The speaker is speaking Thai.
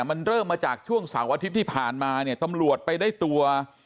มันเริ่มมาจากช่วงเสาร์อาทิตย์ที่ผ่านมาเนี่ยตำรวจไปได้ตัว